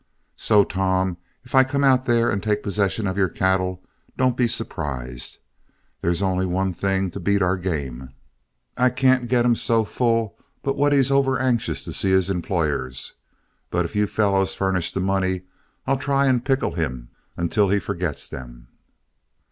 So, Tom, if I come out there and take possession of your cattle, don't be surprised. There's only one thing to beat our game I can't get him so full but what he's over anxious to see his employers. But if you fellows furnish the money, I'll try and pickle him until he forgets them."